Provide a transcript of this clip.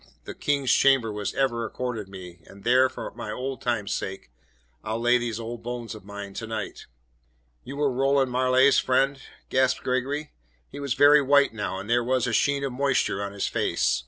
The King's chamber was ever accorded me, and there, for old time's sake, I'll lay these old bones of mine to night." "You were Roland Marleigh's friend?" gasped Gregory. He was very white now, and there was a sheen of moisture on his face.